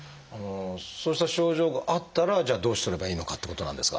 そうした症状があったらじゃあどうすればいいのかってことなんですが。